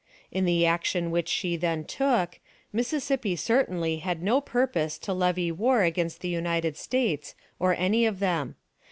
In the action which she then took, Mississippi certainly had no purpose to levy war against the United States, or any of them.